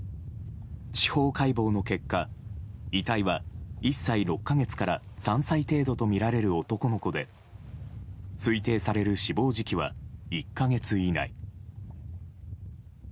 司法解剖の結果、遺体は１歳６か月から３歳程度とみられる男の子で推定される死亡時期は１か月以内。